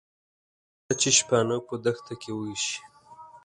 کله چې شپانه په دښته کې وږي شي.